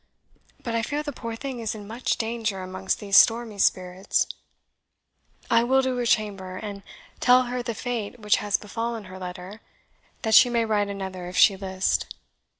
But I fear the poor thing is in much danger amongst these stormy spirits. I will to her chamber, and tell her the fate which has befallen her letter, that she may write another if she list.